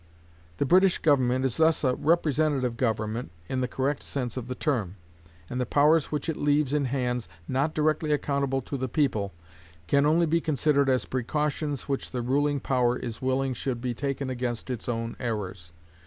The British government is thus a representative government in the correct sense of the term; and the powers which it leaves in hands not directly accountable to the people can only be considered as precautions which the ruling power is willing should be taken against its own errors.